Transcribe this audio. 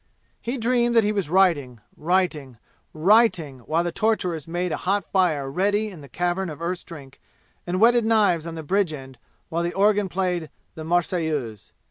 He dreamed that he was writing, writing, writing, while the torturers made a hot fire ready in the Cavern of Earth's Drink and whetted knives on the bridge end while the organ played The Marseillaise.